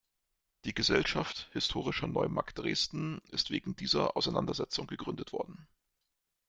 Die Gesellschaft Historischer Neumarkt Dresden ist wegen dieser Auseinandersetzung gegründet worden.